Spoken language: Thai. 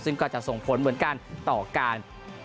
ซึ่งก็จะส่งผลเหมือนกันต่อการ